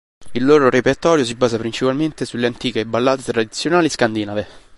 Il loro repertorio si basa principalmente sulle antiche ballate tradizionali scandinave.